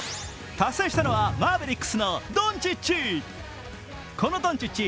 達成したのはマーベリックスのドンチッチ。